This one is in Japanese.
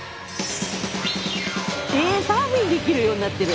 えサーフィンできるようになってる！